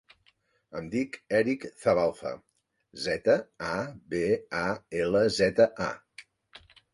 Em dic Eric Zabalza: zeta, a, be, a, ela, zeta, a.